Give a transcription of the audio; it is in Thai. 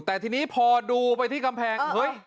แต่ทีนี้พอดูไปที่กำแพงเฮ้ย